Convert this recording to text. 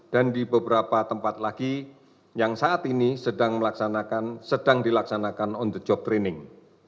dan di beberapa tempat lagi yang saat ini sedang dilaksanakan on the job training